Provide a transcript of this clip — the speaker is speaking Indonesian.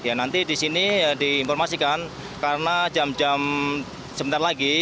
ya nanti di sini diinformasikan karena jam jam sebentar lagi